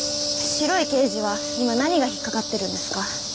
白い刑事は今何が引っかかってるんですか？